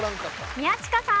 宮近さん。